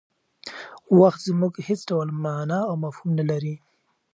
وخت زموږ لپاره هېڅ ډول مانا او مفهوم نه لري.